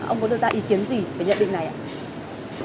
ông có đưa ra ý kiến gì về nhận định này ạ